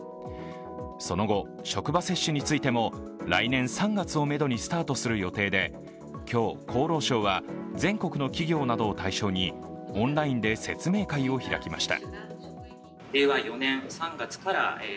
その後、職場接種についても来年３月をめどにスタートする予定で今日、厚労省は、全国の企業などを対象にオンラインで説明会を開きました。